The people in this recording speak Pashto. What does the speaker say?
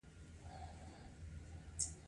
د انجنیری کارونه په لاندې ډول دي.